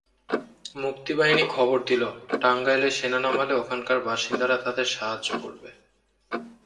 মুক্তিবাহিনী খবর দিল, টাঙ্গাইলে সেনা নামালে ওখানকার বাসিন্দারা তাদের সাহায্য করবে।